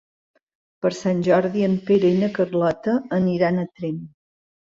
Per Sant Jordi en Pere i na Carlota aniran a Tremp.